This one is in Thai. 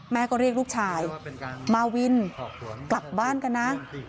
แม่ก็เรียกลูกชายมาวินกลับบ้านกันนะ